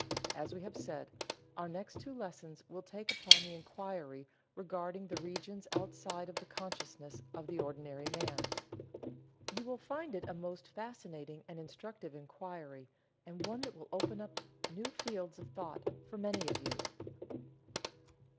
As we have said, our next two lessons will take upon the inquiry regarding the regions outside of the consciousness of the ordinary man. You will find it a most fascinating and instructive inquiry and one that will open up new fields of thought for many of you.